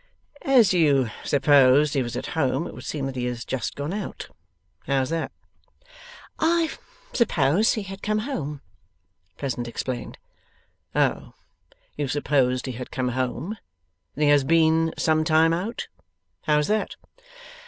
'As you supposed he was at home, it would seem that he has just gone out? How's that?' 'I supposed he had come home,' Pleasant explained. 'Oh! You supposed he had come home? Then he has been some time out? How's that?